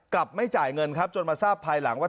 ไม่จ่ายเงินครับจนมาทราบภายหลังว่า